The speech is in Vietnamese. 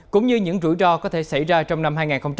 cũng như những rủi ro có thể xảy ra trong năm hai nghìn hai mươi bốn